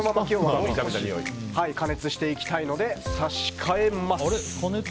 加熱していきたいので差し替えます！